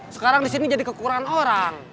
sekarang di sini jadi kekurangan orang